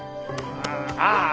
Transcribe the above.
ああ！